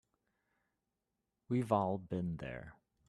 We've all been there.